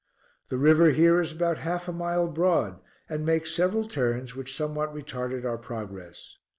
The river here is about half a mile broad, and makes several turns which somewhat retarded our progress.